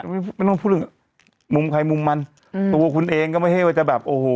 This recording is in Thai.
ไม่ต้องพูดละมุมใครมุมมันตัวคุณเองจะไม่ให้มาดาบอะโห